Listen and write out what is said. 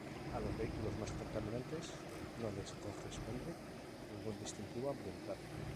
A los vehículos más contaminantes no les corresponde ningún distintivo ambiental.